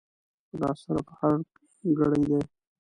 را سره په هر ګړي دي